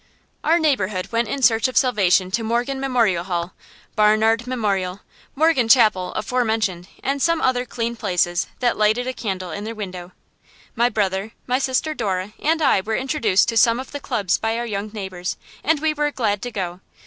Our neighborhood went in search of salvation to Morgan Memorial Hall, Barnard Memorial, Morgan Chapel aforementioned, and some other clean places that lighted a candle in their window. My brother, my sister Dora, and I were introduced to some of the clubs by our young neighbors, and we were glad to go.